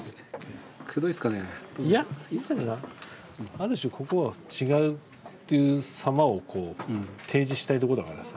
ある種ここは違うっていうさまをこう提示したいとこだからさ。